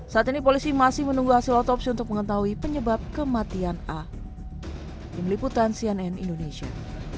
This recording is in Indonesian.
saat ini polisi masih menunggu hasil otopsi untuk mengetahui penyebab kematian a